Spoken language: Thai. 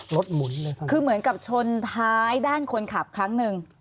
หมุนเลยค่ะคือเหมือนกับชนท้ายด้านคนขับครั้งหนึ่ง